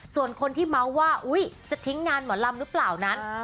ส่วนคนที่เมาส์ว่าจะทิ้งงานหมอลำหรือเปล่านั้น